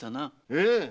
ええ。